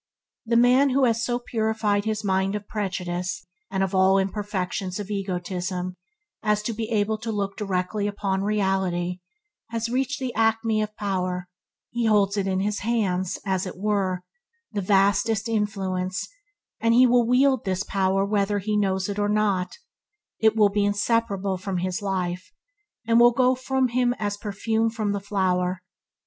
The man who has so purified his mind of prejudice and of all the imperfections of egotism as to be able to look directly upon reality, has reached the acme of power; he holds in his hands, as it were, the vastest influence, and he will wield this power whether he knows it or not; it will be inseparable from his life, and will go from him as perfume from the flower.